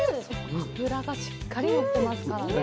脂がしっかり乗ってますからね。